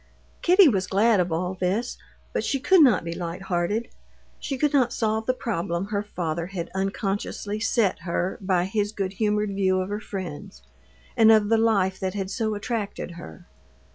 Kitty was glad of all this, but she could not be light hearted. She could not solve the problem her father had unconsciously set her by his good humored view of her friends, and of the life that had so attracted her.